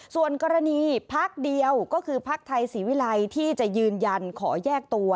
ส่วนกรณีพักเดียวก็คือภักดิ์ไทยศรีวิรัยที่จะยืนยันขอแยกตัว